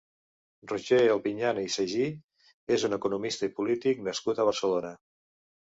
Roger Albinyana i Saigí és un economista i polític nascut a Barcelona.